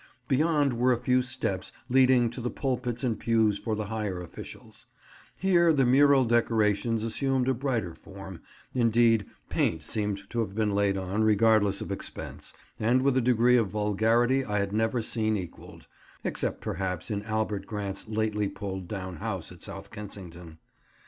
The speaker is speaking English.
Beyond were a few steps leading to the pulpits and pews for the higher officials; here the mural decorations assumed a brighter form—indeed, paint seemed to have been laid on regardless of expense, and with a degree of vulgarity I had never seen equalled, except perhaps in Albert Grant's lately pulled down house at South Kensington.